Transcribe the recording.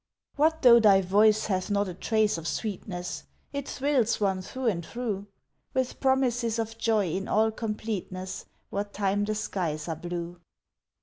What though thy voice hath not a trace of sweetness It thrills one through and through, With promises of Joy in all completeness What time the skies are blue.